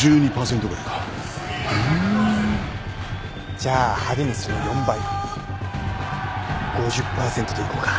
じゃあ派手にその４倍５０％といこうか。